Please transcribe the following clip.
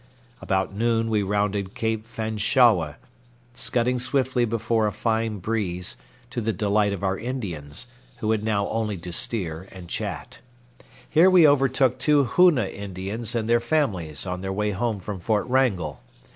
About noon we rounded Cape Fanshawe, scudding swiftly before a fine breeze, to the delight of our Indians, who had now only to steer and chat. Here we overtook two Hoona Indians and their families on their way home from Fort Wrangell.